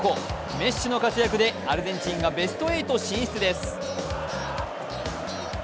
メッシの活躍でアルゼンチンがベスト８進出です。